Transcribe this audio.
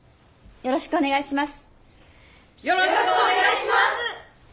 よろしくお願いします！